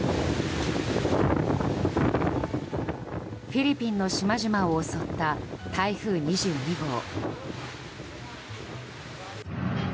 フィリピンの島々を襲った台風２２号。